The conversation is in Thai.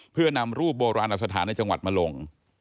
เพื่อนำรูปโบราณอสถานในจังหวัดมาลง